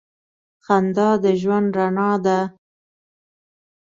• خندا د ژوند رڼا ده.